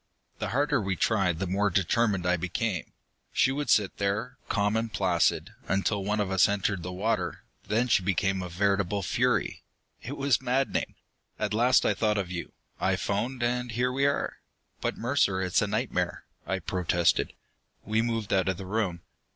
"The harder we tried, the more determined I became. She would sit there, calm and placid, until one of us entered the water. Then she became a veritable fury. It was maddening. "At last I thought of you. I phoned, and here we are!" "But, Mercer, it's a nightmare!" I protested. We moved out of the room.